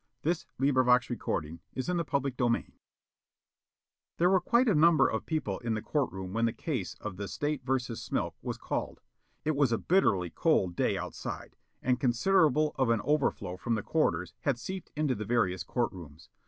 They " "Never mind. Give me their addresses." CHAPTER FIVE There were quite a number of people in the court room when the case of the State vs. Smilk was called. It was a bitterly cold day outside and considerable of an overflow from the corridors had seeped into the various court rooms.